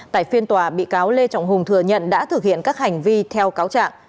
tại phiên tòa bị cáo lê trọng hùng thừa nhận đã thực hiện các hành vi theo cáo trạng